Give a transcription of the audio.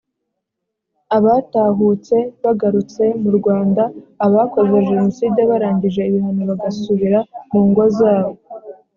abatahutse bagarutse mu rwanda abakoze jenoside barangije ibihano bagasubira mu ngo zabo